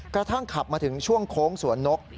กระทั่งขับมาถึงช่วงโค้งสวนนก